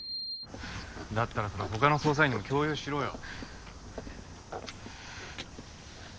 だったらそれ他の捜査員にも共有しろよ。